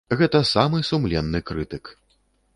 Гэта самы сумленны крытык.